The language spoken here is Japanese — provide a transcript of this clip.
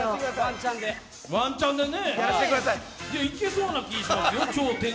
いけそうな気しますよ。